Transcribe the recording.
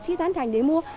chỉ thẳng thành để mua